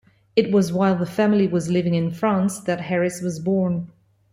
It was while the family was living in France that Harris was born.